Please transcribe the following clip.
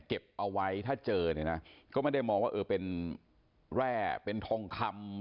เก็บเอาไว้ถ้าเจอเนี่ยนะก็ไม่ได้มองว่าเออเป็นแร่เป็นทองคำ